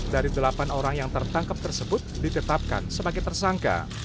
dari delapan orang yang tertangkap tersebut ditetapkan sebagai tersangka